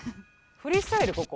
フリースタイルここ？